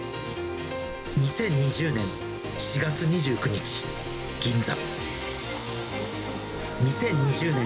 ２０２０年４月２９日、銀座。